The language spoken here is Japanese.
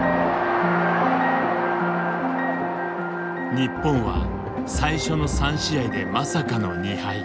日本は最初の３試合でまさかの２敗。